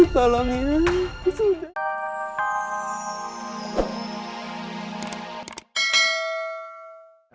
tolong ya sudah